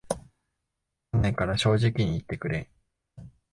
怒らないから正直に言ってくれ